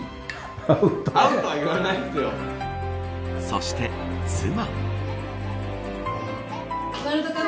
そして妻。